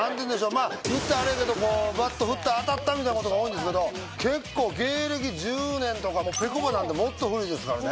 まあ言ったらあれやけどバット振ったら当たったみたいなことが多いんですけど結構芸歴１０年とかぺこぱなんてもっと古いですからね